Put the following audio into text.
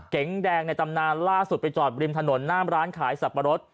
แดงในตำนานล่าสุดไปจอดริมถนนหน้ามร้านขายสับปะรด